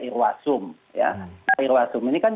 irwasum irwasum ini kan